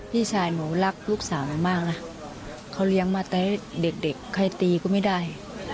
พี่ชายหนูรักลูกสาวหนูมากนะเขาเลี้ยงมาแต่เด็กใครตีก็ไม่ได้